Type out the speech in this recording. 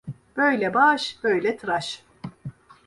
Böyle baş böyle tıraş.